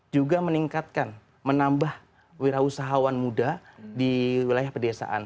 juga meningkatkan menambah wira usahawan muda di wilayah pedesaan